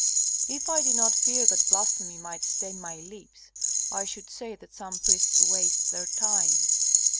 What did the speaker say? "If I did not fear that blasphemy might stain my lips, I should say that some priests waste their time.